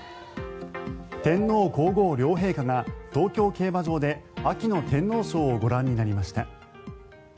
天皇・皇后両陛下が東京競馬場で秋の天皇賞をご覧になりました。